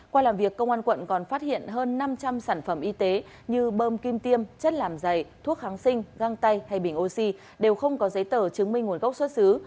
qua làm việc công an quận còn phát hiện hơn năm trăm linh sản phẩm y tế như bơm kim tiêm chất làm dày thuốc kháng sinh găng tay hay bình oxy đều không có giấy tờ chứng minh nguồn gốc xuất xứ